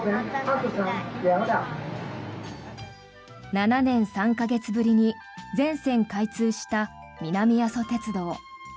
７年３か月ぶりに全線開通した南阿蘇鉄道。